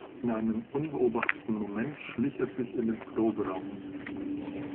In einem unbeobachteten Moment schlich er sich in den Proberaum.